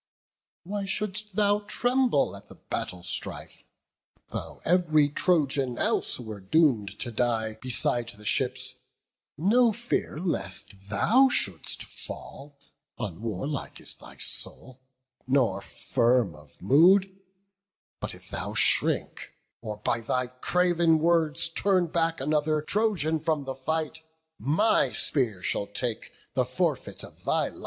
Why shouldst thou tremble at the battle strife? Though ev'ry Trojan else were doom'd to die Beside the ships, no fear lest thou shouldst fall: Unwarlike is thy soul, nor firm of mood: But if thou shrink, or by thy craven words Turn back another Trojan from the fight, My spear shall take the forfeit of thy life."